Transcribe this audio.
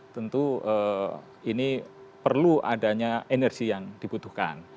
tentu ini perlu adanya energi yang dibutuhkan